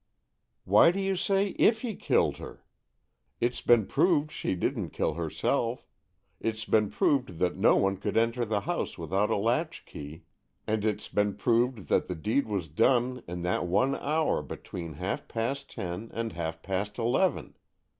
"Why do you say 'if he killed her'? It's been proved she didn't kill herself; it's been proved that no one could enter the house without a latch key, and it's been proved that the deed was done in that one hour between half past ten and half past eleven.